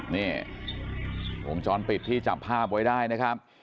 นี่วงจรปิดที่จับภาพไว้ได้นะครับ